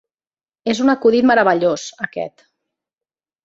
És un acudit meravellós, aquest.